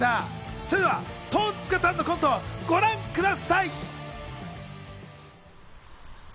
それではトンツカタンのコントをご覧ください。